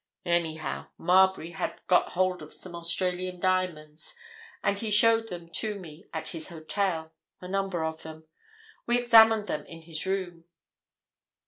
Anyhow, Marbury had got hold of some Australian diamonds, and he showed them to me at his hotel—a number of them. We examined them in his room."